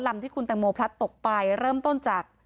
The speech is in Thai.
ที่คุณแตงโมพลัดตกไปเริ่มต้นจาก